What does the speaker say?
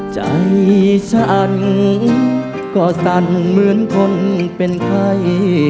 ใจฉันก็สั่นเหมือนคนเป็นไข้